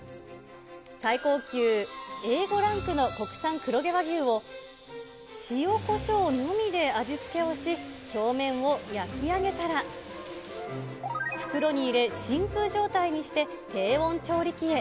最高級Ａ５ランクの国産黒毛和牛を塩こしょうのみで味付けをし、表面を焼き上げたら、袋に入れ、真空状態にして、低温調理器へ。